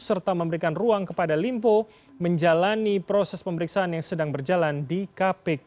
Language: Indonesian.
serta memberikan ruang kepada limpo menjalani proses pemeriksaan yang sedang berjalan di kpk